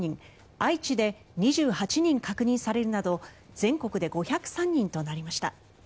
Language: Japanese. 愛知で２８人確認されるなど全国で５０３人となりました。